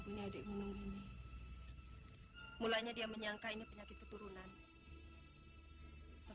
kamu telah menjalankan wajiban kamu sebagai seorang imam